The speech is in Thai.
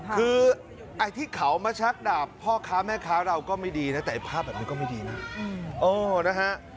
คือไอ้ที่เขามาชักดาบพ่อค้าแม่ค้าเราก็ไม่ดีนะแต่ภาพแบบนี้ก็ไม่ดีนะ